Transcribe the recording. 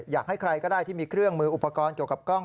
อยากให้ใครก็ได้ที่มีเครื่องมืออุปกรณ์เกี่ยวกับกล้อง